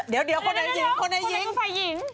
เดี๋ยวคนไหนหญิง